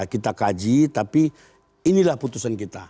kita kaji tapi inilah putusan kita